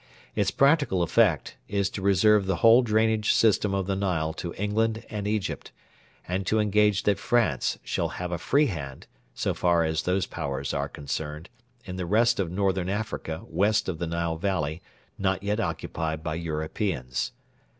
Its practical effect is to reserve the whole drainage system of the Nile to England and Egypt, and to engage that France shall have a free hand, so far as those Powers are concerned, in the rest of Northern Africa west of the Nile Valley not yet occupied by Europeans.